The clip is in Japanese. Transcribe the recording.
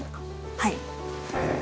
はい。